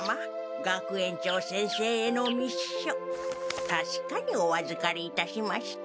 学園長先生への密書たしかにおあずかりいたしました。